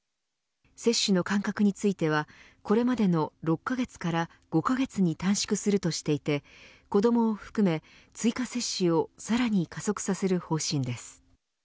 接種の間隔についてはこれまでの６カ月から５カ月に短縮するとしていて子どもを含め追加接種をさらに加速させる方針です。